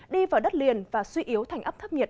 đi vào đất liền và suy yếu thành áp thấp nhiệt